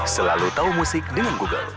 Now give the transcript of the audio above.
selalu tahu musik dengan google